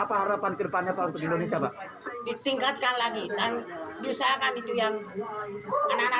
apa harapan ke depannya pak untuk indonesia